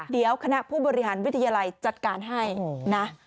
เดี๋ยวคณะผู้บริหารวิทยาลัยจัดการให้นะ